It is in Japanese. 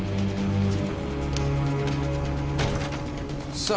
・さあ